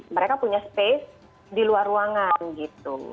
mereka punya space di luar ruangan gitu